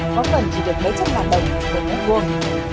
có phần chỉ được mấy trăm ngàn đồng một mét vuông